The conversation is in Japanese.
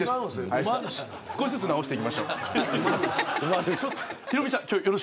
少しずつ直していきましょう。